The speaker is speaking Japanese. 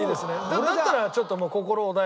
だったらちょっと。